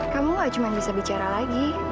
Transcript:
kamu gak cuma bisa bicara lagi